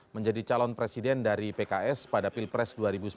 menjadi calon presiden dari pks pada pilpres dua ribu sembilan belas